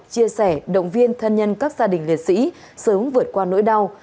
chia sẻ động viên thân nhân các gia đình liệt sĩ sớm vượt qua nỗi đau